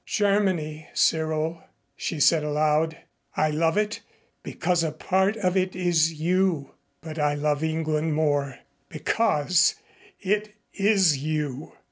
"Germany, Cyril," she said aloud. "I love it because a part of it is you. But I love England more, because it is you."